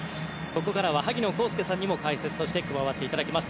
ここからは萩野公介さんにも解説として加わっていただきます。